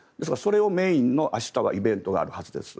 それをメインの明日はイベントがあるはずです。